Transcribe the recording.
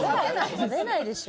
食べないでしょ。